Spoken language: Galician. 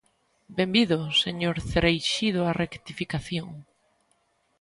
¡Benvido, señor Cereixido á rectificación!